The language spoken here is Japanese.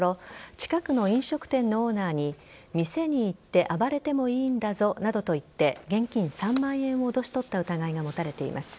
近くの飲食店のオーナーに店に行って暴れてもいいんだぞなどと言って現金３万円を脅し取った疑いが持たれています。